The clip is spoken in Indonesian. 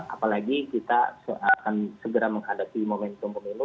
apalagi kita akan segera menghadapi momentum pemilu